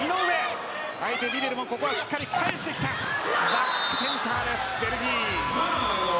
バックセンターです、ベルギー。